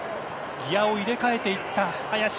ギアを入れ替えていった林。